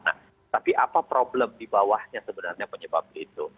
nah tapi apa problem di bawahnya sebenarnya penyebab itu